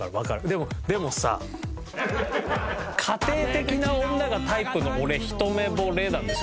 でもでもさ「家庭的な女がタイプの俺一目惚れ」なんですよ